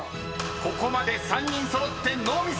［ここまで３人揃ってノーミス！］